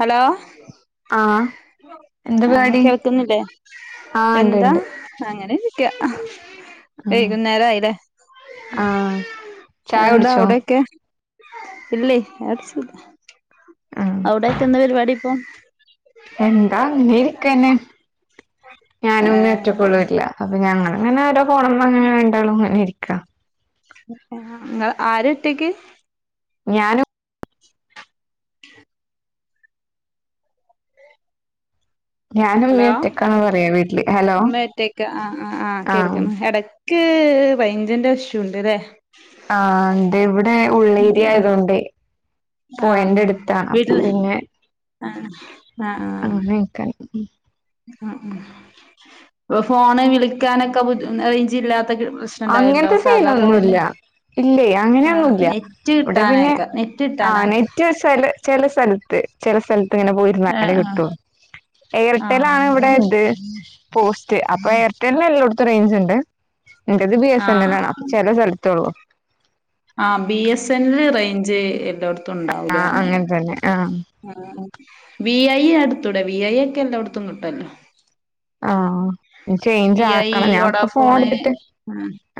Hello ആഹ് എന്താ ആഹ് പരിപാടി കേൾക്കുന്നില്ലേ ആഹ് ഇണ്ട് എന്താ ഇണ്ട് അങ്ങനെ ക [unintelligible] വൈകുന്നേരയിലെ ആഹ് ചായ എന്താ കുടിച്ചോ അവിടെക്കെ ഇല്ലേ [unintelligible] ല്ല ആഹ് അവിടക്ക എന്താ പരിപാടി ഇപ്പോ എന്താ അങ്ങനെ ഇരിക്കനെ ഞാനൊ ഏഹ് ഒറ്റക്കൊളും [unintelligible] ല്ല അപ്പൊ ഞങ്ങനെ ഓരോണ അങ്ങനെ [unintelligible] അമേരിക്ക നിങ്ങ ആരാ ഇട്ടേക്ക് ഞാനും ഞാനും ഹലോ ഉമ്മയും ഒറ്റക്കാണ് പറയാ വീട്ടില് ഹലോ അമ്മ ഒറ്റക്ക് ആ ആ ആ ആഹ് കേൾക്കുന്നു എടക്ക് നിനക്ക് റെയിഞ്ചിന്റെ ഇഷ്യൂ ഉണ്ട് ഇല്ലേ ആ എന്തേ ഇവിടെ ഉള്ളേരിയ ഉം ആയതൊണ്ട് പോയന്റെ ആഹ് അടുത്ത അപ്പൊ വീട്ടില് പിന്നെ ആഹ് ആഹ് ആഹ് അങ്ങനെയൊക്ക ഉം ഫോണ് വിളിക്കാനൊക്കെ റേഞ്ച് ഇല്ലാ ഇ പ്രശ്നം ഇണ്ടാവുണ്ടോ അങ്ങനത്തെ സാധാ കോളിന് സീനൊന്നുല്ല ഇല്ലേ ആ അങ്ങനെയൊന്നുല്ല നെറ്റ് ഇവിടെ കിട്ടാനേക്ക നെറ്റ് കിട്ടാന ചില സ്ഥലത്ത് ചില സ്ഥലത്ത് ഇങ്ങനെ പോയിരുന്നാലല് ആഹ് കിട്ടോ എയർടെൽ ആണ് ആഹ് അത് ഇവിടെ ബുദ്ധി ഇത് പോസ്റ്റ് അപ്പൊ എയർടെലിന് എല്ലടത്തും റേഞ്ച് ഉണ്ട് എന്റത് ബി എസ് എൻ ആഹ് എൽ ആണ് അപ്പൊ ചില സ്ഥലത്ത ഉള്ളൂ ആ ബി എസ് എൻ റേഞ്ച് ല്ലോടുത്തും ആ ണ്ടാവുല്ല അങ്ങനെ തന്നെ ആ ബീ ഐ അടുത്തൂടെ വി ഐ ഒക്കെ എല്ലായിടത്തും കിട്ടല്ലോ ആഹ് ചേഞ്ച് ഐ ആക്കണം ഞാൻപ്പ ഫോൺ വോഡാഫോണ് എടുത്തിട്ട്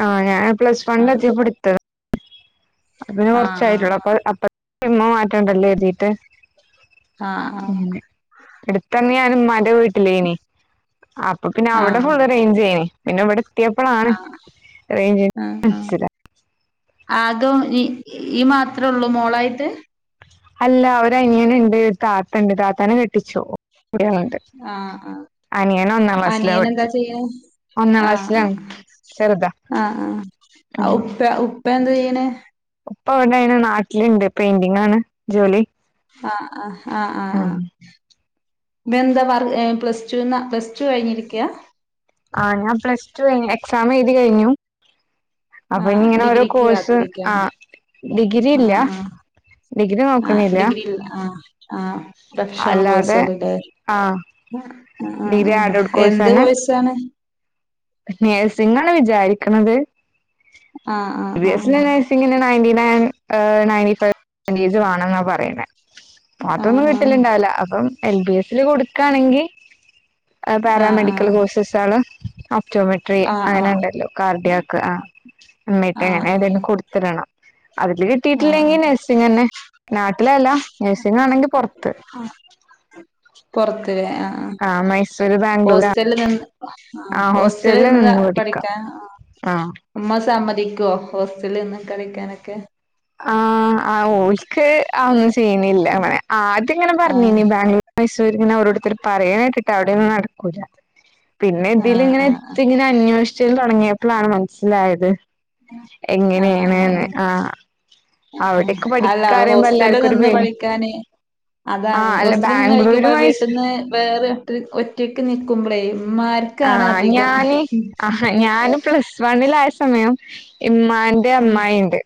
ആഹ് ഞാൻ പ്ലസ് ആഹ് വണിലെത്തിയപ്പോ എടുത്തത് അതിന് ആഹ് കുറച്ചായിട്ടുള്ളൂ അപ്പൊ അപ്പ സിമ്മ് മാറ്റംണ്ടല്ലേ എഴുതിട്ട് ആഹ് ആഹ് ഉം അടുത്തന്നെ ഞാൻ മ്മാൻ്റെ ന്തേനി അപ്പൊ പിന്നെ ആഹ് അവിടെ ആഹ് ഫുള് അറേഞ്ചായിനി പിന്നെ ഇവിടെ കിട്ടിയപ്പോളാണ് ആഹ് റേഞ്ച് [unintelligible] അതോ ഈ ഈ മാത്രേ ഉള്ളൂ മോളായിട്ട് അല്ല ഒരനിയനിണ്ട് താത്തണ്ട് താത്താനെ കെട്ടിച്ചു കുട്ടികളുണ്ട് ആഹ് അനിയൻ ഒന്നാം ആ ക്ലാസ്സിലാ അനിയൻ എന്താ പഠിക്ക ചെയ്യത് ഒന്നാം ആഹ് ക്ലാസ്സിലാണ് ചെറുതാ ആഹ് ആഹ് ആ ഉപ്പ ഉപ്പ എന്താ ചെയ്യാ നെ ഉപ്പ അവിടെ അ നാട്ടിലുണ്ട് പെയിൻ്റിംഗ് ആണ് ജോലി ആഹ് ആഹ് ആഹ് ആഹ് ഉം ആഹ് ഇതെന്താ വർ ഏഹ് പ്ലസ് ടു ന്ന് പ്ലസ് ടു കഴിഞ്ഞിരിക്കയാ ആഹ് ഞാൻ പ്ലസ് ടു കഴിഞ്ഞു എ സാമ് എഴുതി കഴിഞ്ഞു അപ്പൊ ഇനി ആഹ് ഇങ്ങനെ ഓരോ ഡിഗ്രിക്ക് കോഴ്സ് കാത്തിരിക്കാണ് ആഹ് ഡിഗ്രി ആ ഇല്ല ഡിഗ്രി ആ നോക്കണില്ല ഡിഗ്രില്ല ആ ആ പ്രൊഫഷണൽ അല്ലാതെ കോഴ്സുകളുണ്ട് ആഹ് ഡിഗ്രി ആഡഡ് എന്ത് കോഴ്സാണ് നേഴ്സിങ്ങാണ് വിചാരിക്കണത് ആഹ് ബി എസ് ആഹ് സി നഴ്സിംഗ നയന്റ്റ നയ ന വ് പേജ് വേണെംന്നാ പറയുന്നേ പാത്തൊന്നും ആഹ് കിട്ടലിണ്ടാവില്ല അപ്പം എൽ ബി എസിൽ കൊടുക്കാണെങ്കിൽ ആഹ് പാരാമെഡിക്കൽ കോഴ്സസ് ആണ് ഉ ജോമെട്രി ആഹ് ആഹ് ആഹ് ആഹ് അങ്ങനെ ഉണ്ടല്ലോ കാർഡിയാക്ക് ആ അമ്മേട്ടാ ആഹ് ഞാൻ ഏതും ആഹ് ആഹ് കൊടുത്തിടണം അതില് കിട്ടിയിട്ടില്ലെങ്കി ആഹ് നഴ്സിംഗ് തന്നെ നാട്ടിലല്ല നഴ്സിംഗ് ആണെങ്കി പൊർത്ത് പൊറത്ത് ല്ലേ? ആഹ് ആഹ് ആ മൈ ഹോസ്റ്റലിൽ നിന്ന് ആ ഹോസ്റ്റലി ഹോസ്റ്റലില് നിന്നതാ നിന്ന് പഠിക്കാം പഠിക്കാൻ ആ ആ അമ്മ സാമ്പ കടിക്കോ ഹോസ്റ്റലിൽ നിന്നും കളിക്കാനൊക്കെ ആ ആ ഓക്ക് ഒന്നും ചെയ്യുന്നില്ല മനെ ആദ്യം ഇങ്ങനെ പറഞ്ഞിന് ആഹ് ബാംഗ്ലൂർ ന അവരോടുത്തര് പറയാനായിട്ടിട്ട് അവിടെ ഒന്നും നടക്കൂല്ല പിന്നെ ആഹ് ഇതിലിങ്ങനെ ആഹ് ഇങ്ങനെ അന്വേഷ് ചിരി തുടങ്ങിയപ്പോഴാണ് മനസ്സിലായത് എങ്ങനെയാണന്ന് ആഹ് ആ അല്ല ഹോസ്റ്റൽ എല്ലാർക്കും ഒരു നിന്ന് പേടി പഠിക്കാന് അതാണ് ആഹ് അല്ല ഹോസ്റ്റലിൽ നിന്ന് കഴിക്കുമ്പോ ബാംഗ്ലൂരുമായി വീട്ടിന്ന് വേറെ ഒട്ട് ഒറ്റക്ക് നിക്കുമ്പോളേ മ ആ ഞാന് അഹ ഞാന് പ്ലസ് വണ്ണിൽ ലാ സമയം ഉമ്മാന്റെ അമ്മായിണ്ട്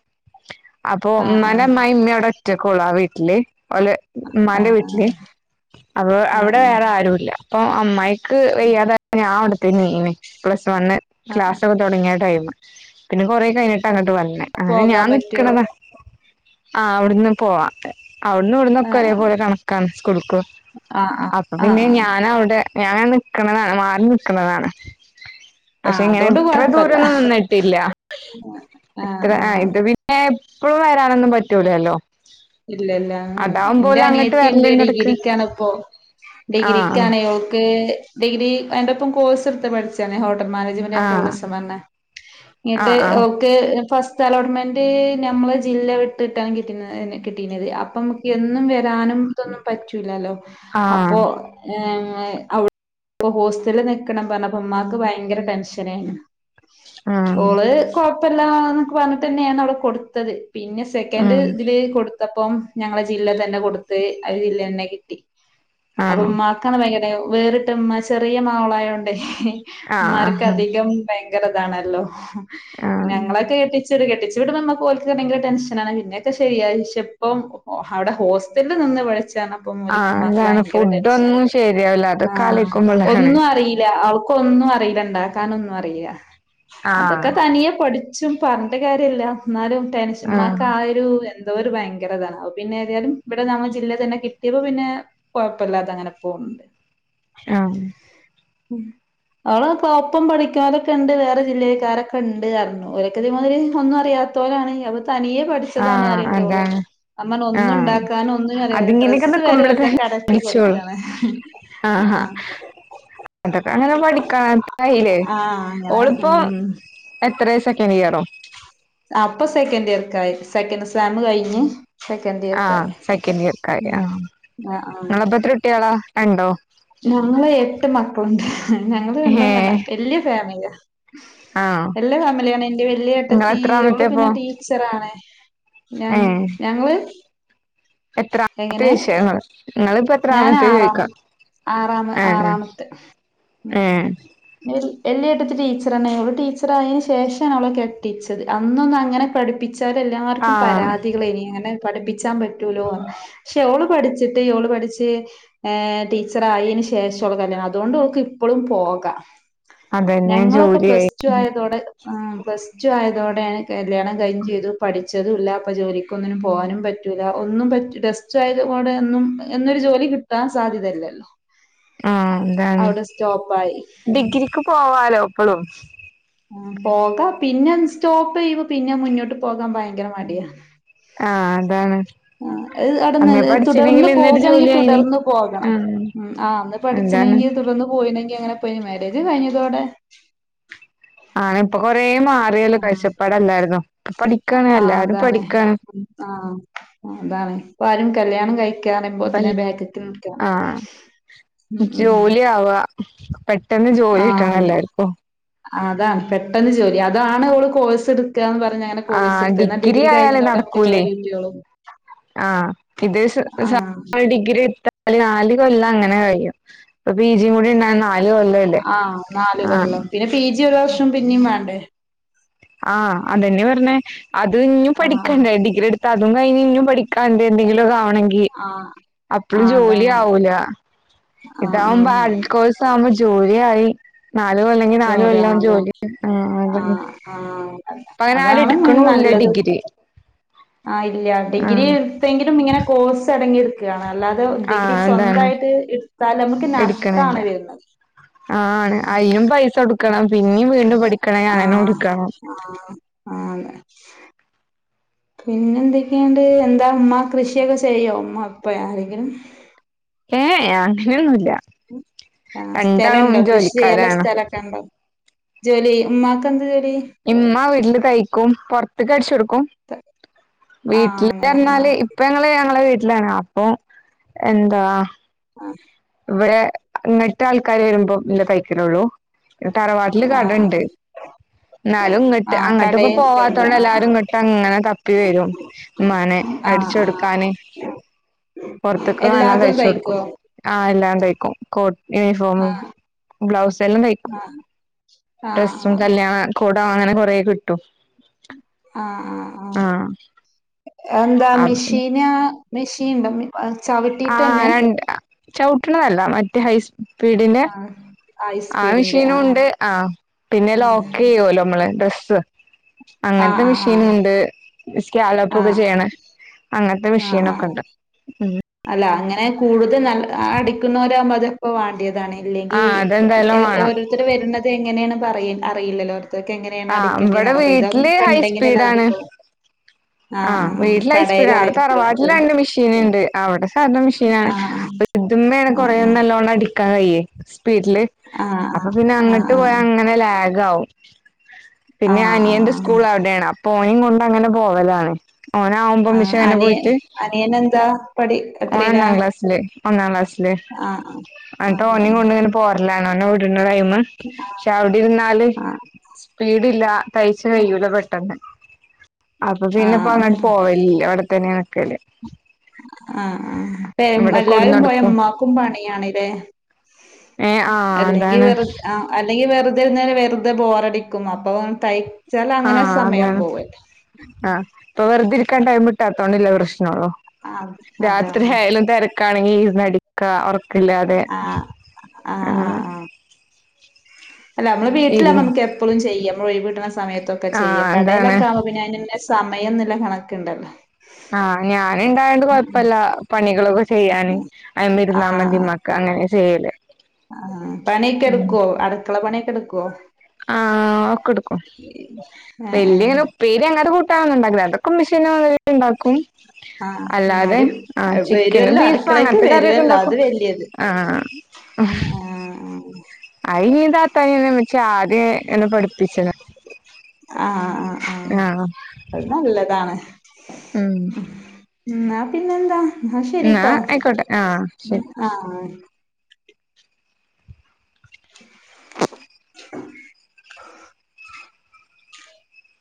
അപ്പൊ ആഹ് ഉമ്മാന്റെ അമ്മായി ഇമ്മയോട് ഒറ്റക്കുള്ള ആ വീട്ടില് ഓല് ആഹ് ഉമ്മാന്റെ ആഹ് ആഹ് വീട്ടില് അപ്പൊ അവിടെ ആഹ് ആഹ് വേറാരുല്ല അപ്പം അമ്മായി ക്ക് വയ്യാതാ ഞാൻ അവിടെ തന്നെ ഏണ് പ്ലസ് ട്ടൂ തോന്നെ ആഹ് ക്ലാസ്സ്‌ ഒക്കെ തൊടങ്ങിയ ടൈം പിന്ന കുറെ കഴിഞ്ഞ് തനട്ട വന്നെ ആ ഞാൻ പോകാൻ പറ്റുവോ നിക്കണതാ ആഹ് അവിടുന്ന് പോവാ അവിട്ന്ന് ഇവിടുന്നൊക്ക ആഹ് ഒരേപോലെ കണക്കാണ് സ്കൂൾക്ക് ആഹ് ആഹ് അപ്പൊ പിന്നെ ആഹ് ആഹ് ഞാനവിടെ ഞാൻ നിക്ക്ണതാണ് മാ ന്ന് നിക്ക്ണതാണ് പക്ഷേ ആഹ് ഇങ്ങനെ അതുകൊണ്ട് ഇത്ര കൊഴപ്പല്ല ദൂരൊന്നും നിന്നിട്ടില്ല. ആഹ് ഇത്ര ഏ ആഹ് ഇത് പിന്നെ പ്പളും വരാനൊന്നും പറ്റൂലല്ലോ ഇല്ലല്ല ആ ആ എന്റെ അതാവുമ്പോലെ അങ്ങട്ട് അനിയത്തിണ്ട് വരലുണ്ട് ഇടക്ക് ഡിഗ്രിക്കാണ് ഇപ്പോ ആ ഡിഗ്രിക്കാണ് ഓക്ക് ഡിഗ്രി അയിന്റൊപ്പം കോഴ്സ് എടുത്ത് പഠിച്ചാണ് ഹോ ട്ടൽ മാനേജ്മെന്റ് ആ ആൻഡ് ടൂറിസം പർഞ്ഞെ ആ ങ്ങിട്ട് ആ ഓക്ക് ഫസ് റ്റലോട്ൺമെന്റ് നമ്മളെ ജില്ല വിട്ടിട്ടാണ് കിട്ടുന്നതയിന് കിട്ടീനത് അപ്പം നമുക്ക് എന്നും വരാനും ഇതൊന്നും പറ്റൂലല്ലോ ആ അപ്പോ എം ഏഹ് അവ്ട് ഹോസ്റ്റലിൽ നിക്കണം പറഞ്ഞപ്പമ്മാക്ക് ഭയങ്കര ടെൻഷനേയ്ന്ന് ആ ഓള് കൊഴ്പ്പല്ലാന്ന് വന്നിട്ട് തന്നെയാണ് അവിടെ കൊടുത്തത് പിന്നെ സെക്കന്റ്‌ ഉം ഇതില് കൊടു ത്തപ്പം ഞങ്ങടെ ജില്ല തന്നെ കൊടുത്ത് ആ ജില്ല തന്നെ കിട്ടി ആ അപ്പം മാർക്കാണ് [unintelligible] വേറിട്ട മ്മ ചെറിയ മാവളായോണ്ടേ ആ മ്മാർക്ക് ആ അധികം ഭയങ്കരം താണല്ലോ ഞങ്ങളൊക്കെ കെട്ടിച്ച് [unintelligible] കെട്ടിച്ചു വിടുമ്പോ മ്മക്ക് ഓൽക്ക് ഭയങ്കര ടെൻഷനാണ് പിന്നെയൊക്കെ ശെരിയാ [unintelligible] പ്പം അവടെ ഹോസ്റ്റലിൽ നിന്ന് [unintelligible] ആ [unintelligible] മ്മാക്ക് അതാണ് ഭയങ്കര ടെൻഷന ഫുഡൊന്നും ശരിയാവില്ല ആ അതൊക്കെ ആലോചിക്കുമ്പോളാണ് ഒന്നും അറില്ല അവൾക്ക് ക്കൊന്നും അറിയി ഡ് ണ്ടാക്കാനൊന്നും അറില്ല ആ അതൊക്കെ തനിയെ പഠി ച്ചും പർഞ്ഞിട്ട് കാര്യല്ല ന്നാലും ടെൻഷ മ്മാക്ക് ആ ഒരു എ ന്തൊരു ഭയ ങ്കരതാണ് അത് പിന്നെ ഏതായാലും ഇവിടെ നമ്മൾ ജില്ലേ തന്നെ കിട്ടിയപ്പോ പിന്നെ കൊഴപ്പല്ലാതെ അങ്ങനെ പോവ്ണ്ട് ആഹ് ഉം അവളെക്കെ ഒപ്പം പഠിക്കുന്നോരൊക്കെ ണ്ട് വേറെ ജില്ലക്കാരൊക്കെണ്ട് പർഞ്ഞു ഓലൊക്കെ ഇതേമാതിരി ഒന്നും അറിയാത്തോലാണ് അ തനിയേ ആ പഠിച്ചതാണ് പറയ്ണ്ടോള് അതാണ് അമ്മൻ ആ ഒന്നുണ്ടാക്കൻ ഒന്നും അറിയ അതിങ്ങനെയൊക്കെ ഡ്രെസ്സ് വരെ നിക്കുമ്പോള് തന്നെ പോലതൊക്കെ അലക്കി അടിച്ചോളും കൊടുക്കാണ് ആ ആ ആഹ അതൊക്കെ അങ്ങനെ പഠിക്കാ കയ്ലേ അങ്ങനെ ഓള്പ്പോ ഉം എത്രസെ നിയറോ അപ്പൊ സെക്കൻഡ് ഇയർക്കായി സെക്കൻഡ് സേം കഴിഞ് സെക്കൻഡ് ഇയർക്ക ആഹ് സെക്കൻഡ് ഇയർക്കായി ഉം ആഹ് ആ ആ നിങ്ങളപ്പ എത്ര കുട്ടികളാ രണ്ടോ ഞങ്ങള് എട്ട് മക്കളുണ്ട് ഞങ്ങള് രണ്ടൊന്നല്ല ഏഹ് വല്യയ ഫാമിലിയ ആഹ് ല്യ ഫാമിലിയാണ് ഇന്റെ വല്യയ നിങ്ങള് ഏട്ടത്തി ഈ ഓള് എത്രാമത്തെപ്പോ പിന്നെ ടീച്ചറാണ് ഞ ഞങ്ങള് എത്രത്ര എങ്ങനെ വിഷ നിങ്ങിളിപ്പ് ഞാൻ ആറാമത് ആറാമ ഏഹ് ആറാമത്തെ ഉം ഏഹ് [unintelligible] വല്യയ ഏട്ടത്തി ടീച്ചറാണ് ഓള് ടീച്ചറായെന് ശേഷാണ് ഒളെ കെട്ടിച്ചത് അന്നൊന്നും അങ്ങനെ പഠിപ്പിക് ച്ചാലെല്ലാർക്കും ആഹ് പരാതികളെനി അങ്ങനെ പഠിപ്പിച്ചാൻ പറ്റൂലോ പക്ഷെ ഓള് പഠിച്ചിട്ട് ള് പഠിച്ച ട്ട് ടീച്ചറായേന് ശേഷമുള്ള കല്യാണം അതുകൊണ്ട്ക്ക് ഇപ്പോഴും പോകാം അതന്നെ ഞങ്ങളൊക്കെ പ്ലസ് ജോലിയായി ടു ആയതോടെ പ്ലസ് ടു ആയതോടെയാണ് കല്യാണം കഴിഞ്ഞും ചെയ്തു പഠിച്ചതും ഇല്ല അപ്പൊ ജോലിക്ക് ഒന്നിനും പോകാനും പറ്റില്ല ഒന്നും പറ്റ് ഡെസ്റ്റ് ആയത കൊൂടെ ഒന്നും എന്നൊരു ജോലി കിട്ടാൻ സാധ്യതയില്ലല്ലോ ആ എന്താണ് അവിടെ സ്റ്റോപ്പായി ഉം ഡിഗ്രിക്ക് പോവാലോ പ്പളും ആ പോകാം പിന്നെ സ്റ്റോപ്പ് ചെയ്യ്പോ പിന്നെ മുന്നോട്ട് പോകാ ഭയങ്കര മടിയാ ആഹ് അതാണ് ആ അന്ന അന്നേ പഠിച്ചിനെങ്കിൽ തുടർന്ന് ഇന്നൊരു ജോലി പോകണെങ്കിൽ തുടർന്ന് പോകണെങ്കി ആയിന് തുടർന്ന് പോകണം ആഹ് ഉം ആ അന്ന് എന്താണ് പഠിച്ചണെങ്കിൽ തുടർന്ന് പോയിണെങ്കിൽ എങ്ങനെ പോയിന് മരേജ് കഴിഞ്ഞതോടെ ആ ഇപ്പൊ കൊറേ മാറിയല്ലോ ആഹ കാഴ്ചപ്പാടല്ലായിരുന്നോ ഇപ്പൊ പഠിക്കാണ് ആ എല്ലാരും അതാണ് പഠിക്കാണ് ആഹ അതാണ് പ്പാരും കല്യാണം കഴ പൽ ആഹ ഉം ഉം ജോലിയാവാ പെട്ടെന്ന് ജോലി ആഹ് കിട്ടണല്ലർക്കും അതാണ് പെട്ടെന്ന് ജോലി അതാണ് ഓള് കോഴ്സ് എടു ആഹ ഡിഗ്രി ആയാലേ കഴിഞ്ഞതോടെ നമുക്ക് നടക്കൂലേ ജോലി കിട്ടിയോളും ആഹ [unintelligible] അ ആഹ് നാല് കൊല്ല അങ്ങനെ കഴിയും ഇപ്പൊ പി ജിയും കൂടി ഉണ്ട ആഹ നാല് കൊല്ലം പിന്നെ പി ജി ഒരുവർ പിന്നിം വേണ്ടേ ആഹ അതെന്നെ പർഞ്ഞേ അത് ഇഞ്ഞും ആഹ് പഠിക്കണ്ടേ ഡഗ്രി എടു ട്ടതും കഴിഞ് ഇഞ്ഞും പഠിക്കാണ്ട് എന്തെങ്കിലൊ വണങ്കി ആഹ് ആഹ് അപ്പഴും ആഹ് ജോലി അതാണ് ആവൂല ആഹ് ഇതകുമ്പ ആഹ് ബ കോോഴസ് ആ്പ ജോല ആയി നാല അല്ലെങ്കി നാല ജോലി വല്ലാം ആഹ് അതാണ് ജോലി ആ അത ആഹ് ആഹ് അതാണ് നല്ലത് ആ ഇല്ല ഡിഗ്രി ആഹ് എടുത്തെങ്കിലും ഇങ്ങനെ കോഴ്സ് അടങ്ങി ഒക്കെയാണ് അല്ലാതെ ഡിഗ്രി ആഹ് എന്താണ് സ്വന്തമായിട്ട് എടുത്താൽ നമുക്ക് എടുക്കണില്ല നഷ്ടമാണ് വരുന്നത് ആ ആണ് അയിനും പൈസ കൊടുക്കണം പിന്നിം വീണ്ടും ആഹ പഠിക്കണെ അങ്ങനെ കൊടുക്കണം ആഹ ആ [unintelligible] പിന്നെ എന്തൊക്കെയണ്ട് എന്താ അമ്മ കൃഷിയൊക്കെ ചെയ്യോ അമ്മ ഇപ്പ ആരെങ്കിലും ഏഹ അങ്ങനെയൊന്നുമല്ല ആ സ്ഥലുണ്ടോ കൃഷി ചെയ്യുള്ള ജോലിക്കാരാണ് സ്ഥലൊക്കെ ഉണ്ടോ ജോലി ഉമ്ക്ക്ന്ത് ജോല ഇമ്മ ഇഡല തൈക്കും പുറത്തത്ത് കടിച്ചുൊക്കും ആഹ് അങ്ങനെ വീട്ടില്ല് ആഹ് ഇപ്പങ്ങ ഞങ്ങള വീട്ട അപ്പം എന്താ ആഹ ഇടെ അങ്ങിട്ട് ആൾക്കാര് വരുമ്പോ ഇല്ല പൈക്കലള്ളൂ തറവാട്ടില് ആഹ് കടുണ്ട് ആഹ് എന്നാലും ഇങ്ങോട്ട് ആഹ് അങ്ങോട്ട് ഇപ്പ കടയിൽക്കലുണ്ട് പോവാത്തോണ്ട് ആഹ് എല്ലാരും ഇങ്ങോട്ട് അങ്ങനെ ത പ്പ വരും മനെ ആഹ് അടിച്ച ആഹ് ആഹ് കൊടുക്കാന് പുറത്തേക്ക നല്ല എല്ലാതും തയ്ച്ച കൊടുക്കും തയ്ക്കോ ആ ഇല്ലാണ്ടക്കും യൂണഫോമ ആഹ് ബ്ലൗസ് [unintelligible] ആഹ് ആഹ് ആഹ് അങ്ങനെ കൊറേ കിട്ടും ആഹ ആഹ ആഹ ആഹ് എന്താ അപ്പ പിന്നെ മെഷീന് മെഷീൻ ഉണ്ടമ്മി ആഹ് ചവിട്ടിയിട്ടന്നെ രണ്ട് ചവിട്ടണതല്ല മറ്റേ ഹൈസ് പിടിന്റെ ആഹ് ഹൈ ആ സ്പീഡിന്റെ ആഹ് മിഷീനുണ്ട് ആ പിന്നെ ലോക്ക് ചെയ്യുവല്ലോ നമ്മള് ഡ്രസ്സ് അങ്ങനത്തെ ആഹ് ആഹ് ആഹ് മിഷീനുണ്ട് ആഹ് സ്കാലോപ്പൊക്കെ ആഹ് ചെയ്യണ ആഹ് അങ്ങനത്തെ ആഹ് ആഹ് മെഷിനൊക്കെയുണ്ട്. അല്ല അങ്ങനെ കൂടുതൽ നല്ല അടിക്കുന്നവരാവുമ്പോ അതിപ്പോ വേണ്ടിയരും. അതാണ് ഇല്ലെങ്കിൽ ആഹ് അതെന്തായാലും വേണം ഓരോരുത്തര് വരുന്നത് എങ്ങനെയാണ്. പറയാൻ അറിയില്ലല്ലോ അത്. ഇതൊക്കെ എങ്ങനെയാണ് ആഹ് ഇവിടെ അടക്കേണ്ടിനടപ്പ അപ്പൊ വീട്ടില് ഇതൊക്കെ ഉണ്ടകിലല്ലേ നടക്കു ആ വീട്ടിൽ ഹൈസ്പീഡാ അവിടെ തറവാട്ടിൽ മറ്റത് രണ്ട് മെഷീൻ ഉണ്ട്. അവടെ. ഇതാരുടെ മെഷീനാണ് ആ ഇതുമെണ് ആ കുറെ നല്ലോണം അടി [unintelligible] സ്പീഡില് ആ ആ അപ്പൊ പിന്നെ ആ ആ അങ്ങോട്ട് പോയാ അങ്ങനെ ലാഗ് ഗൗ ആ ആ പിന്നെ അനിയന്റെ സ്കൂളവിടെയാണ് അപ്പോ ഓനിം കൊണ്ടങ്ങനെ പോവലാണ്. ആം ഓനാവുമ്പോ ആ ആ ഒന്നിച്ചങ്ങനെ അനിയ പോയിട്ട് അനിയൻ എന്താ പഠി ഓന് എത്രയിലാ ഒന്നാം ക്ലാസ്സില് ഒന്നാം ക്ലാസ്സില് ആ ആ ആ എന്നിട്ട് ഓനിക്കൊണ്ട് ഇങ്ങനെ പോരലാണ്. [unintelligible] ടൈം പക്ഷെ അവിടെ ഇരുന്നാല് ആ ആ സ്പീഡില്ല തയ്ച്ച് കഴൂല പെട്ടെന്ന് ആ അപ്പോപിന്നെ. ഇപ്പൊ അങ്ങോട്ട് പോവലില്ലേ അവിടെത്തന്നെ ക്കല്ലേ ആഹ് ആഹ് അപ്പോ ഇവിടെ എല്ലാരും പോയ ഉ കൊടുന്നടുക്കും മ്മാക്കും പണിയാണല്ലേ ഏ ആ അല്ലെങ്കിൽ അതാണ് വെറു ആഹ് അല്ലെങ്കിൽ വെറു ഇരുന്നാൽ വെറുതെ ബോറടിക്കും അപ്പൊ തൈ ആഹ് അതാണ് ആ അപ്പൊ വെറുതെയിരി കാൻ ടൈം കിട്ടാത്തോണ്ടുള്ള പ്രശ്ന ആ [unintelligible] രാത്രി അതാണ് ആയാലും തെര ഇക്കാണെങ്കി ഇരുന്ന് അടിക്കാ ക്കില്ലാതെ ആ ആ അല്ല നമ്മള് വീട്ടിലാ ഇരു നമക്ക് എപ്പോഴും ചെയ്യാം. ഒഴിവ് കിട്ടണ സമയത്തൊക്കെ ആ ചെയ്യ എന്താണ് കടയിലൊക്കെ ആകുമ്പോ പിന്നെ അതിന് സമയം ന്നുള്ള കണക്കുണ്ടല്ലോ ആ ഞാന ഇണ്ടായണ്ട് കൊഴപ്പല്ല പണികളൊക്കെ ചെയ്യാൻ ആ [unintelligible] മതി മ്മാക്ക് അങ്ങനെ ചെയ്യല് ആ പണി ഒക്കെ ഉം എടുക്കൊ അടുക്കള പണിഒക്കെ എടുക്ക് കോ ആ ഒക്കെ എടുക്കും ഏ ഏ വല്യങ്ങനെ ഉപ്പേരി അങ്ങട്ട് കൊടു [unintelligible] അതൊക്കെ ഉമ്മശ്ശിന്നെ വന്ന് ണ്ടാക്കും ആ എന്നാലും ചിക്കനും വരുവല്ലോ ബീഫും അടുക്കളക്ക് അങ്ങനത്തെ കറിയൊക്കെ വരുവല്ലോ ഉണ്ടാക്കും അത് വലിയത് ആഹ് ആ ഇന്നിം താത്താനെന്നെ ഇമ്മച്ചി ആദ്യ തന്നെ പഠിപ്പിച്ച്ണ് അ അ ആ ആഹ് അത് നല്ലതാണ് ഉം ന്നാ പിന്നെ എന്താ എന്നാ ആയിക്കോട്ടെ ആ ശരി ആഹ്